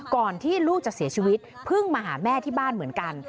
ก่อนที่ลูกจะเสียชีวิตเพิ่งมาหาแม่ที่บ้านเหมือนกัน